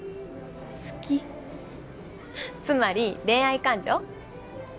つまり恋愛感情？